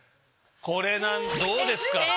これなんどうですか？